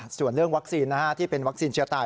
ส่วนเรื่องวัคซีนที่เป็นวัคซีนเชื้อตาย